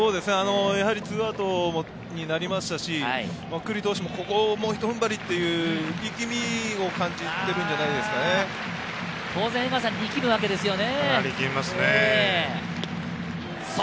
２アウトになりましたし、九里投手ももうひと踏ん張りという力みを感じているんじゃないで当然、力むわけですよね。